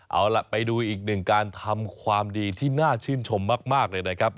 เอาล่ะไปดูอีกหนึ่งการทำความดีที่น่าชื่นชมมากเลยนะครับ